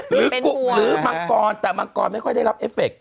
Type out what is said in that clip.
หรือกุหรือมังกรแต่มังกรไม่ค่อยได้รับเอฟเค